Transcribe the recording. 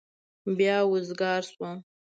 بيا وزگار سوم.